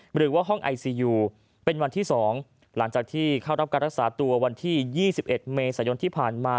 หรือว่าห้องไอซียูเป็นวันที่๒หลังจากที่เข้ารับการรักษาตัววันที่๒๑เมษายนที่ผ่านมา